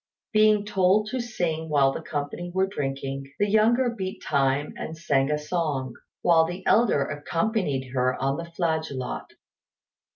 Being told to sing while the company were drinking, the younger beat time and sang a song, while the elder accompanied her on the flageolet.